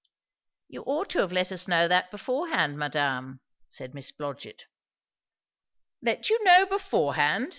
"You ought to have let us know that beforehand, madame," said Miss Blodgett. "Let you know beforehand!"